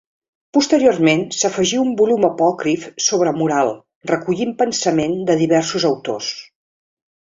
Posteriorment s'afegí un volum apòcrif sobre moral, recollint pensament de diversos autors.